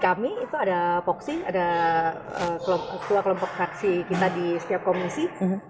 kami itu ada voksi ada ketua kelompok fraksi kita di setiap komisi